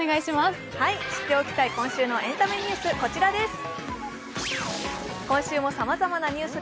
知っておきたい今週のエンタメニュース